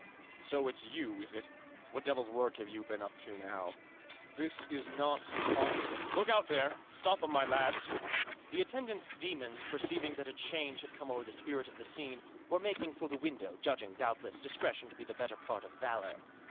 " So it's you, is it ? What devil's work have you been up to now ? This is not Tongkin ! Look out there— stop 'em, my lads !" The attendant demons, perceiving that a change had come o'er the spirit of the scene, were making for the window, judging, doubtless, discretion to be the better part of valour.